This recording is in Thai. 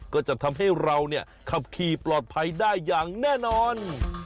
ก็จะทำให้เราเนี่ยขับขี่ปลอดภัยได้อย่างแน่นอน